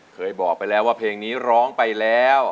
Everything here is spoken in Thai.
เคยบอกไปแล้วว่าเพลงนี้ร้องไปแล้ว